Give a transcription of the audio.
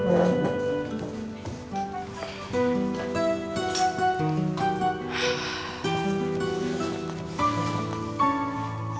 gak bisa banget sih lu bang